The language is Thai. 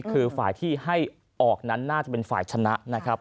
คือฝ่ายที่ให้ออกนั้นน่าจะเป็นฝ่ายชนะนะครับ